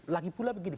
lagi pula begini